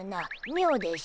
みょうでしゅな。